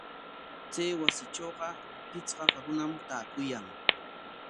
Chay wasitrawqa pichqaq runam taakuyan.